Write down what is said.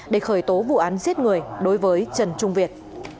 để khởi tố vụ án giết người đối với trần trung việt